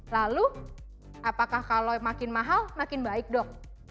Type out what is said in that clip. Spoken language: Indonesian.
lalu apakah kalau makin mahal makin baik dok